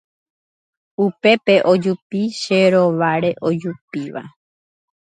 Upépe ojupi che rováre ojupíva